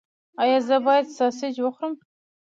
ایا زه باید ساسج وخورم؟